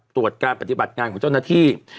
ตรวจการปฏิบัติงานของเจ้าหน้าที่